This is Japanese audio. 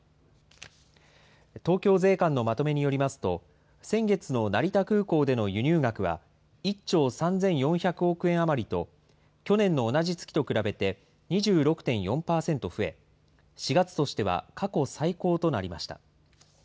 東京税関のまとめによりますと、先月の成田空港での輸入額は、１兆３４００億円余りと、去年の同じ月と比べて２６．４％増え、４月としては過去最高となりました。